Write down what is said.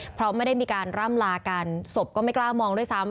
เพราะไม่ได้มีการร่ำลากันศพก็ไม่กล้ามองด้วยซ้ำ